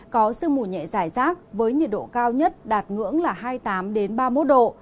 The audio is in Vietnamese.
có sương mù nhẹ dài rác với nhiệt độ cao nhất đạt ngưỡng là hai mươi tám ba mươi một độ